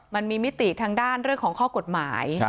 มิติทางด้านเรื่องของข้อกฎหมาย